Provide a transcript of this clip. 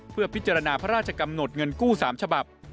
เพื่อพิจารณาพระราชกำหนดเงินกู้๓ฉบับ